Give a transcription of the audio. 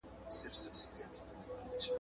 • قاضي پخپله خرې نيولې، نورو ته ئې پند ورکاوه.